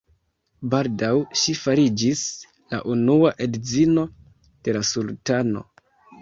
Baldaŭ ŝi fariĝis la Unua edzino de la sultano.